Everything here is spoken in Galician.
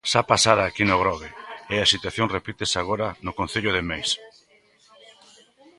Xa pasara aquí no Grove e a situación repítese agora no concello de Meis.